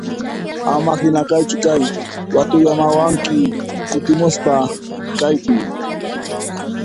Ama hinachu kay, watuyakamuwanki kutimuspa wayqiy!